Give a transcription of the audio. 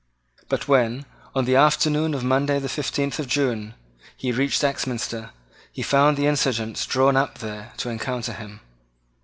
But when, on the afternoon of Monday the fifteenth of June, he reached Axminster, he found the insurgents drawn up there to encounter him.